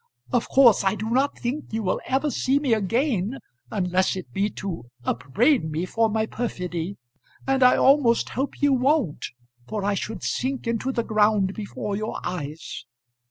Of course I do not think you will ever see me again unless it be to upbraid me for my perfidy, and I almost hope you won't, for I should sink into the ground before your eyes.